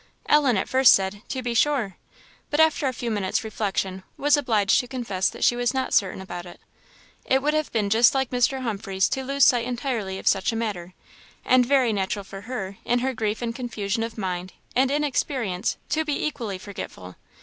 Ellen at first said, "to be sure," but after a few minutes' reflection, was obliged to confess that she was not certain about it. It would have been just like Mr. Humphreys to lose sight entirely of such a matter, and very natural for her, in her grief and confusion of mind, and inexperience, to be equally forgetful.